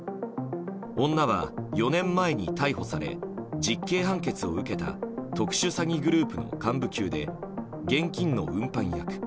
女は４年前に逮捕され実刑判決を受けた特殊詐欺グループの幹部級で現金の運搬役。